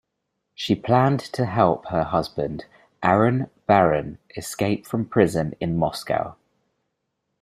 She planned to help her husband Aron Baron escape from prison in Moscow.